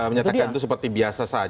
menyatakan itu seperti biasa saja